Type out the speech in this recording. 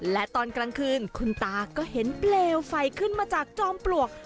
และตอนกลางคืนคุณตาก็เห็นเปลวไฟขึ้นมาจากจอมปลวก